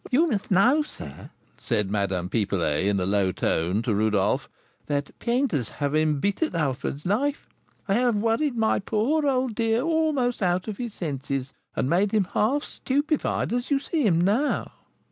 "You must know, sir," said Madame Pipelet, in a low tone, to Rodolph, "that painters have embittered Alfred's life; they have worried my poor old dear almost out of his senses, and made him half stupefied, as you see him now."